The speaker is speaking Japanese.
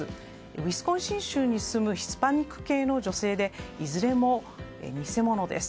ウィスコンシン州に住むヒスパニック系の女性でいずれも偽物です。